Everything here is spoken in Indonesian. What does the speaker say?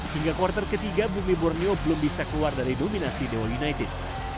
hingga quarter ke tiga bumi borneo belum bisa keluar dari dominasi dewa united